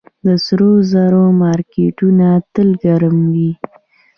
د سرو زرو مارکیټونه تل ګرم وي